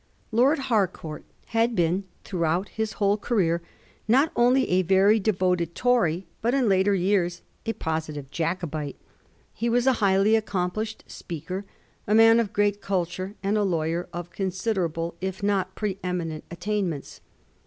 Lord Harcourt had been throughout his whole career not only a very devoted Tory, but in later years a positive Jacobite. He was a highly accomplished speaker, a man of great cul ture, and a lawyer of considerable, if not pre eminent, attainments.